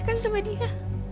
kan sama dia